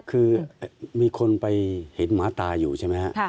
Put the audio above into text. คือมีคนไปเห็นหมาตายอยู่ใช่ไหมครับ